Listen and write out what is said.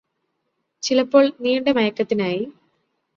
ചിലപ്പോള് നീണ്ട മയക്കത്തിനായി